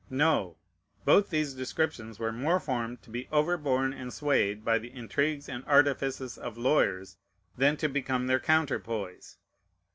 No! both these descriptions were more formed to be overborne and swayed by the intrigues and artifices of lawyers than to become their counterpoise.